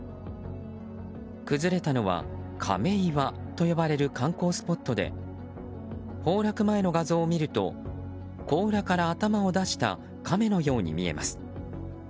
崩れたのは亀岩と呼ばれる観光スポットで崩落前の画像を見ると甲羅から頭を出したカメのように見えます。